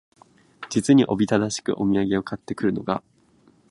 実におびただしくお土産を買って来るのが、